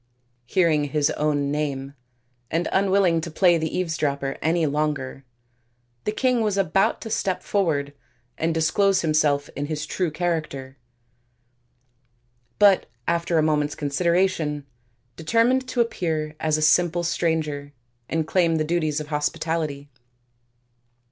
Hearing his own name, and unwilling to play the eavesdropper any longer, the king was about to step forward and dis close himself in his true character, but after a moment's consideration determined to appear as a simple stranger and claim the duties of hospitality.